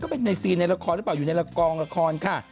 ก็เป็นในซีนในละครหรือเปล่า